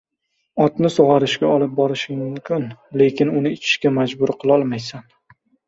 • Otni sug‘orishga olib borishing mumkin, lekin uni ichishga majbur qilolmaysan.